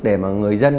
để mà người dân